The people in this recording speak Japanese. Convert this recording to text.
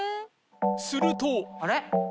すると）